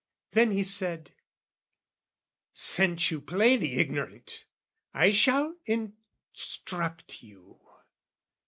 Then he said, "Since you play the ignorant, "I shall instruct you.